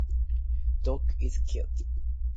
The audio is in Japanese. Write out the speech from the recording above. Dog is cute.